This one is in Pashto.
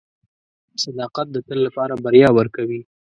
• صداقت د تل لپاره بریا ورکوي.